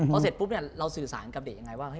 พอเสร็จปุ๊บเราสื่อสารกับเด็กยังไงว่า